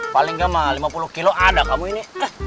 paling gak mah lima puluh kilo ada kamu ini